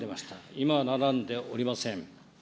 今は並んでおりません。